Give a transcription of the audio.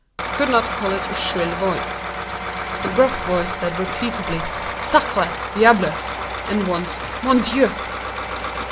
Could not call it a shrill voice. The gruff voice said repeatedly 'sacré,' 'diable,' and once '_mon Dieu.